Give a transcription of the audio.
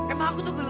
emang aku tuh